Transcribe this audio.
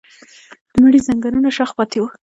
د مړي ځنګنونه شخ پاتې وو.